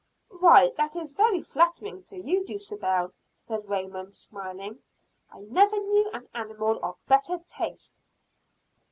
"Why, that is very flattering to you, Dulcibel," said Raymond smiling. "I never knew an animal of better taste."